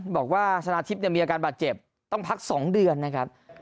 บอกว่าชนะทิพย์มีอาการบาดเจ็บต้องพัก๒เดือนนะครับ